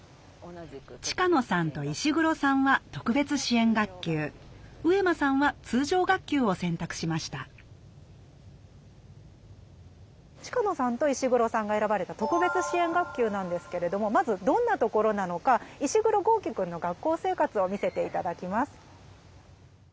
近野さんと石黒さんは特別支援学級上間さんは通常学級を選択しました近野さんと石黒さんが選ばれた特別支援学級なんですけれどもまずどんなところなのか石黒豪輝くんの学校生活を見せて頂きます。